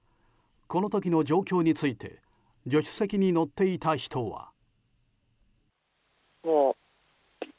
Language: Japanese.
この時の状況について助手席に乗っていた人は。